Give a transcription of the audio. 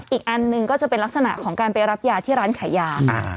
อีกอันหนึ่งก็จะเป็นลักษณะของการไปรับยาที่ร้านขายยา